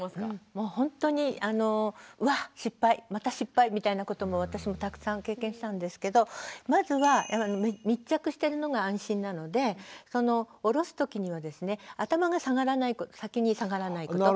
もうほんとにうわ失敗また失敗みたいなことも私もたくさん経験したんですけどまずは密着してるのが安心なので下ろす時にはですね頭が先に下がらないこと。